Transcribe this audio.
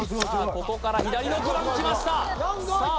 ここから左６番きましたさあ